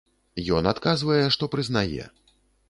Ён адказвае, што прызнае.